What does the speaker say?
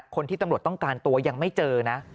คนที่ตำรวจต้องการตัวยังไม่เจอนะ